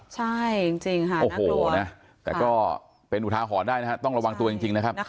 แต่ก็เป็นอุทาหอได้นะต้องระวังตัวจริงนะครับ